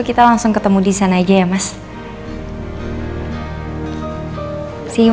kamu tuh ngobrol themed ke kantor jam berapa gitu